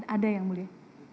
ada yang mulia